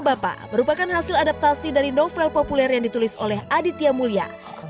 adipati dolken dan enzi storia merupakan hasil adaptasi dari novel populer yang ditulis oleh aditya mulya